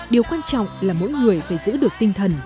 điều quan trọng là mỗi người phải giữ được tinh thần